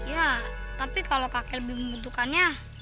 ya tapi kalau kak kelbi membutuhkannya